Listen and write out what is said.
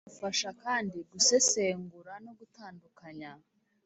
Kizagufasha kandi gusesengura no gutandukanya